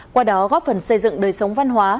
qua đó góp phần xây dựng đời sống văn hóa